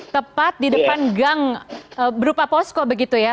tepat di depan gang berupa posko begitu ya